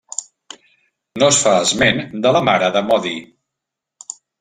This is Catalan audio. No es fa esment de la mare de Modi.